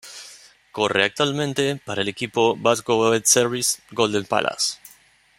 Corre actualmente para el equipo Vastgoedservice-Golden Palace.